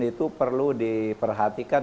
itu perlu diperhatikan